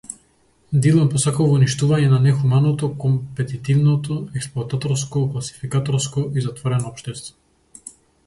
Дилан посакува уништување на нехуманото, компетитивно, експлоататорско, класификаторско и затворено општество.